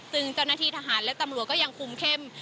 ซึ่งเจ้าหน้าที่ทหารและตำรวจก็ยังคุมเข้ม